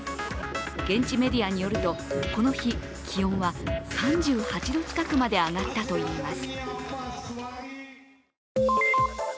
現地メディアによるとこの日、気温は３８度近くまで上がったといいます。